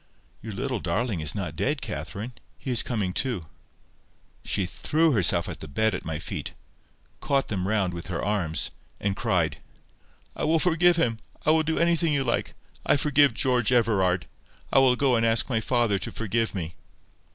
"Your little darling is not dead, Catherine. He is coming to." She THREW herself off the bed at my feet, caught them round with her arms, and cried— "I will forgive him. I will do anything you like. I forgive George Everard. I will go and ask my father to forgive me."